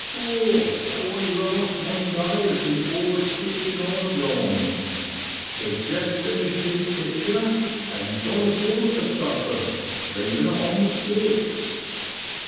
'Bor, how I larfed one day as he wor a sketchin' on a rond (Dutch rand). He'd jest finished his pictur', an' gone aboard for suffin' leavin' it on the sticks.